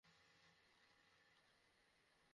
কাজ কি করে?